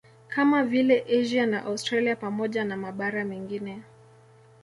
Kama vile Asia na Australia pamoja na mabara mengine